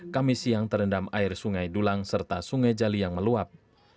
kami siang terendam air sungai dulang serta sungai jali yang meluap